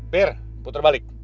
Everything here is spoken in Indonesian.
fir puter balik